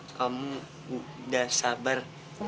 kamu udah sabar